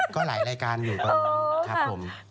ก็หลายรายการอยู่ตอนนั้นครับผม